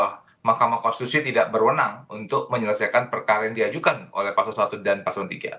tentu saja bakal kita nampak bahwa mahkamah konstitusi itu tidak berwenang untuk menyelesaikan perkara yang diajukan oleh pasulun satu dan pasulun tiga